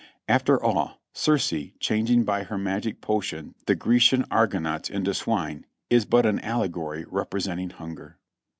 After all, Circe, changing by her magic potion the Grecian Argonauts into swine, is but an allegory representing hunger.